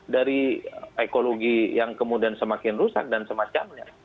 dari ekologi yang kemudian semakin rusak dan semacamnya